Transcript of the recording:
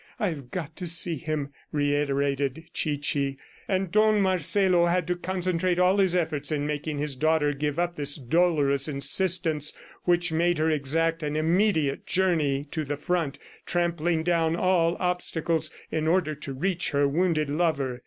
"I've got to see him!" reiterated Chichi. And Don Marcelo had to concentrate all his efforts in making his daughter give up this dolorous insistence which made her exact an immediate journey to the front, trampling down all obstacles, in order to reach her wounded lover.